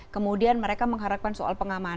kemudian mereka mengharapkan soal pengamanan